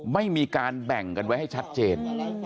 ไม่มีการแบ่งกันไว้ให้ชัดเจน